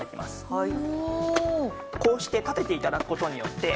はい。